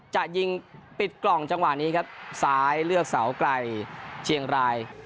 จะยิงปิดกล่องจังหวะนี้ครับซ้ายเลือกเสาไกลเชียงราย